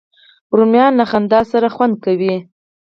رومیان له خندا سره خوند کوي